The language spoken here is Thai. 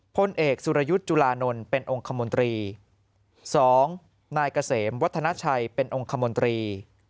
พลเอกสุรยุทธ์จุลานนท์เป็นองค์คมนตรี๒นายเกษมวัฒนาชัยเป็นองค์คมนตรี